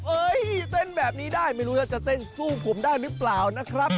เต้นแบบนี้ได้ไม่รู้แล้วจะเต้นสู้ผมได้หรือเปล่านะครับ